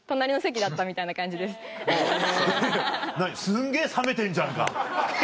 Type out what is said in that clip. すんげぇ冷めてんじゃんか。